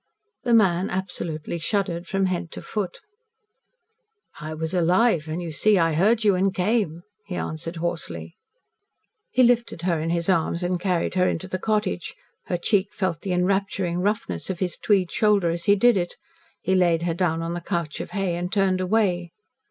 The man absolutely shuddered from head to foot. "I was alive, and you see I heard you and came," he answered hoarsely. He lifted her in his arms and carried her into the cottage. Her cheek felt the enrapturing roughness of his tweed shoulder as he did it. He laid her down on the couch of hay and turned away.